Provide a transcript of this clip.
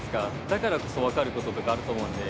だからこそ分かることとかあると思うんで。